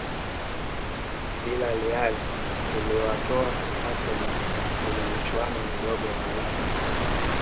Vilareal iliwatoa arsenal kwenye michuano midogo ya ulaya